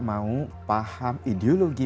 mau paham ideologi